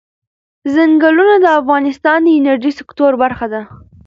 ځنګلونه د افغانستان د انرژۍ سکتور برخه ده.